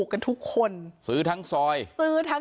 โปรดติดตามต่อไป